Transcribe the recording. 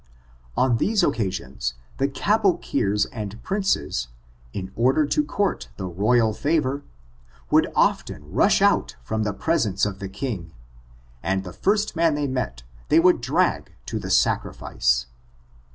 ♦•• On these occasions, the Caboceers and princes, in order to court the royal favor, would often rush out from the presence of the king, and the first man they met they would drag to the sacrifice.